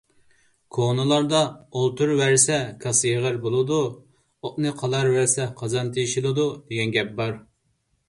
كونىلاردا: «ئولتۇرۇۋەرسە كاسا يېغىر بولىدۇ! ئوتنى قالاۋەرسە قازان تېشىلىدۇ» دېگەن گەپ بار.